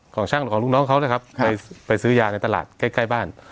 ของช่างของลูกน้องเขานะครับไปซื้อยาในตลาดใกล้ใกล้บ้าน